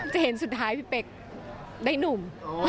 จะเห็นสุดท้ายพี่เป๊กได้หนุ่ม